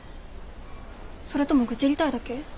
それとも愚痴りたいだけ？